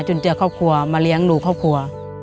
เจอครอบครัวมาเลี้ยงดูครอบครัว